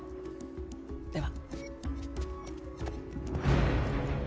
では。